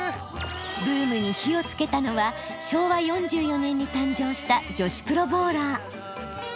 ブームに火をつけたのは昭和４４年に誕生した女子プロボウラー。